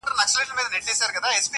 غمونه هېر سي اتڼونو ته ډولونو راځي٫